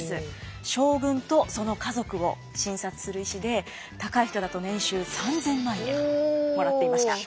将軍とその家族を診察する医師で高い人だと年収３，０００万円もらっていました。